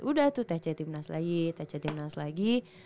udah tuh tc timnas lagi tc timnas lagi